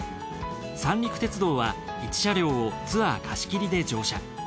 三陸鉄道は１車両をツアー貸し切りで乗車。